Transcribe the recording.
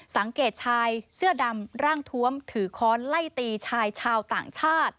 สังเกตชายเสื้อดำร่างทวมถือค้อนไล่ตีชายชาวต่างชาติ